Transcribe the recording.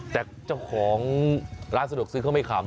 แต่เจ้าของร้านสะดวกซื้อเขาไม่ขำ